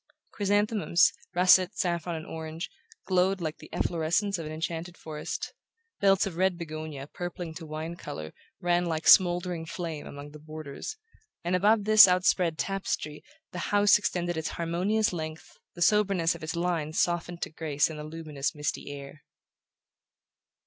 Chrysanthemums, russet, saffron and orange, glowed like the efflorescence of an enchanted forest; belts of red begonia purpling to wine colour ran like smouldering flame among the borders; and above this outspread tapestry the house extended its harmonious length, the soberness of its lines softened to grace in the luminous misty air.